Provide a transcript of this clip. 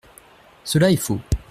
Cela est faux.